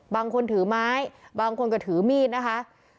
บางคนถือไม้บางคนก็ถือมีนนะคะ